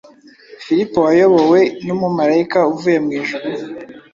Filipo wayobowe n’umumarayika uvuye mu ijuru